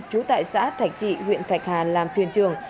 trú tại xã thạch trị huyện thạch hà làm thuyền trường